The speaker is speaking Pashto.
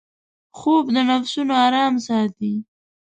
خوب د نفسونـو آرام ساتي